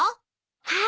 はい。